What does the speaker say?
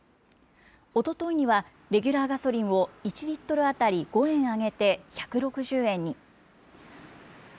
おとといには、レギュラーガソリンを１リットル当たり５円上げて１６０円に。